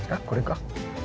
これか？